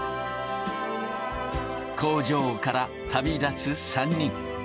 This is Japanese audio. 工場から旅立つ３人。